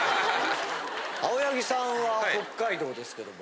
青柳さんは北海道ですけども。